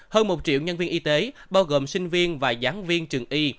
hơn một triệu nhân viên y tế bao gồm sinh viên và giảng viên trường y